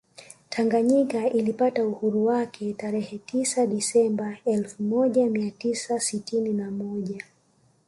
Tanganyika ilipata uhuru wake tarehe tisa Desemba elfu moja mia tisa sitini na moja